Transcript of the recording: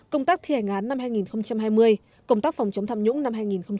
công tác thi hành án năm hai nghìn hai mươi công tác phòng chống tham nhũng năm hai nghìn hai mươi